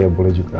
ya boleh juga